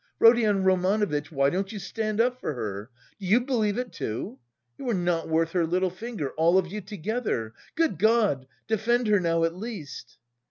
Rodion Romanovitch, why don't you stand up for her? Do you believe it, too? You are not worth her little finger, all of you together! Good God! Defend her now, at least!"